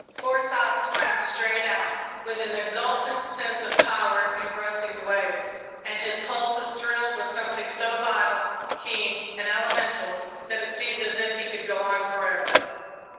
Forsyth swam straight out, with an exultant sense of power in breasting the waves, and his pulses thrilled with something so vital, keen, and elemental that it seemed as if he could go on forever.